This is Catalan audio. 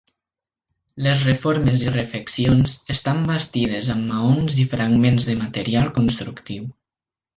Les reformes i refeccions estan bastides amb maons i fragments de material constructiu.